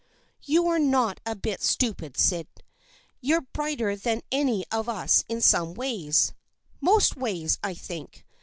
" You're not a bit stupid, Syd. You're brighter than any of us in some ways. Most ways, I think.